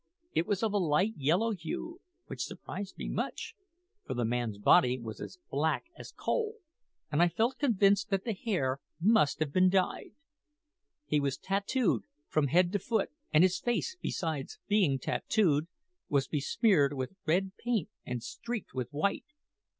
It was of a light yellow hue, which surprised me much, for the man's body was as black as coal, and I felt convinced that the hair must have been dyed. He was tattooed from head to foot; and his face, besides being tattooed, was besmeared with red paint and streaked with white.